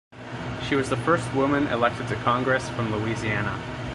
She was the first woman elected to Congress from Louisiana.